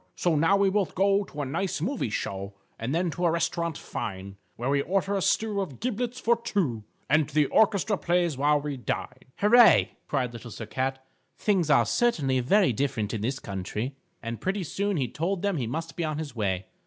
So now we both go to a nice movie show, And then to a restaurant fine, Where we order a stew of giblets for two, And the orchestra plays while we dine._" "Hurray!" cried Little Sir Cat, "things are certainly very different in this country." And pretty soon he told them he must be on his way.